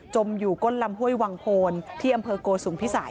อยู่ก้นลำห้วยวังโพนที่อำเภอโกสุมพิสัย